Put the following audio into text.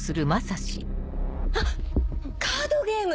あカードゲーム！